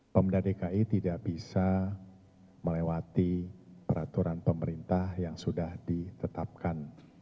pemda dki tidak bisa melewati peraturan pemerintah yang sudah ditetapkan